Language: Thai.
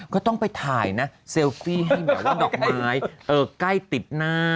ก็ต้องไปถ่ายนะเซลฟี่ให้แบบว่าดอกไม้ใกล้ติดหน้า